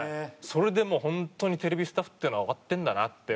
それでもう本当にテレビスタッフってのは終わってんだなって